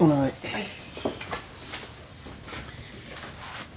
はい。